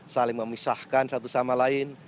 saling memisahkan satu sama lain